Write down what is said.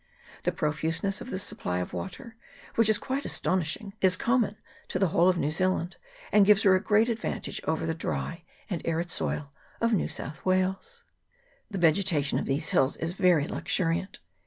The profuseness of this supply of water, which is quite astonishing, is common to the whole of New Zealand, and gives her a great advantage over the dry and arid soil of New South Wales. The vegetation of these hills is very luxuriant.